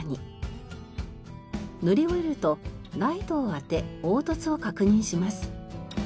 塗り終えるとライトを当て凹凸を確認します。